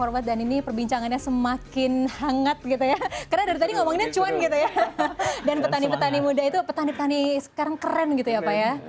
sekarang keren gitu ya pak ya